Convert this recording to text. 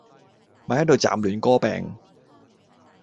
咪係度劖亂歌柄